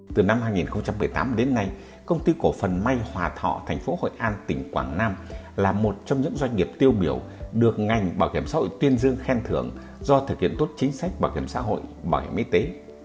từ năm hai nghìn một mươi tám đến nay công ty cổ phần may hòa thọ thành phố hội an tỉnh quảng nam là một trong những doanh nghiệp tiêu biểu được ngành bảo hiểm xã hội tuyên dương khen thưởng do thực hiện tốt chính sách bảo hiểm xã hội bảo hiểm y tế